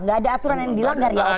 nggak ada aturan yang dilakukan